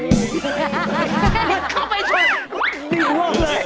มันเข้าไปชนดีกว่าเลย